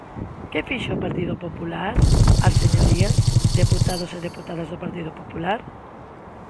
¿Que fixo o Partido Popular, as señorías, deputados e deputadas do Partido Popular?